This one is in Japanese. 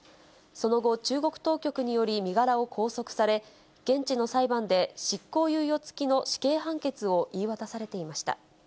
その後、中国当局により身柄を拘束され、現地の裁判で執行猶予付きの死刑判決を言い渡されていました。